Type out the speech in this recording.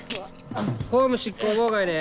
公務執行妨害ね。